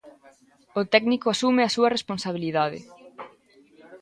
O técnico asume a súa responsabilidade.